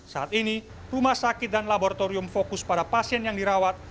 saat ini rumah sakit dan laboratorium fokus pada pasien yang dirawat